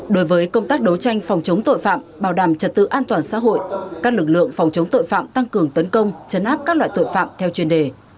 đối với công tác đấu tranh phòng chống tội phạm bảo đảm trật tự an toàn xã hội các lực lượng phòng chống tội phạm tăng cường tấn công chấn áp các loại tội phạm theo chuyên đề